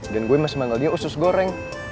dan gue masih manggil dia usus goreng